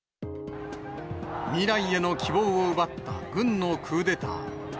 未来への希望を奪った軍のクーデター。